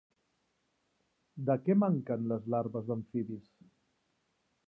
De què manquen les larves d'amfibis?